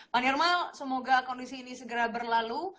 pak nirmal semoga kondisi ini segera berlalu